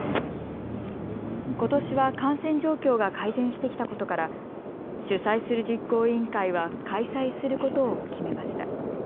ことしは感染状況が改善してきたことから主催する実行委員会は開催することを決めました。